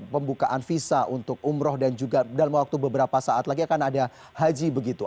pembukaan visa untuk umroh dan juga dalam waktu beberapa saat lagi akan ada haji begitu